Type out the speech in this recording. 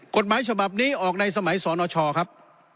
กฎหมายฉบับนี้ออกในสมัยสนชครับ